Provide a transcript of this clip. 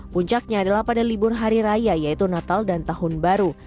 puncaknya adalah pada libur hari raya yaitu natal dan tahun baru